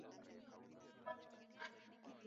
ya Siberia kwenda Bahari Mito hii mitatu